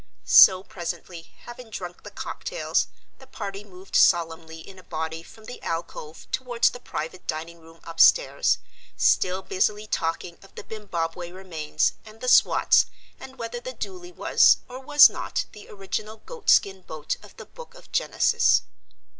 So presently, having drunk the cocktails, the party moved solemnly in a body from the alcove towards the private dining room upstairs, still busily talking of the Bimbaweh remains, and the swats, and whether the doolie was, or was not, the original goatskin boat of the book of Genesis.